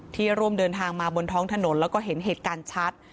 ที่ร่วมเดินทางมาบนท้องถนนแล้วก็เห็นเหตุการณ์ชัด